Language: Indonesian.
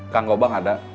kang gobang ada